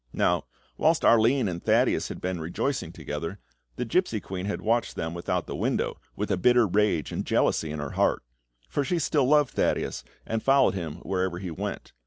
Now, whilst Arline and Thaddeus had been rejoicing together, the gipsy queen had watched them without the window, with bitter rage and jealousy in her heart; for she still loved Thaddeus, and followed him wherever he went.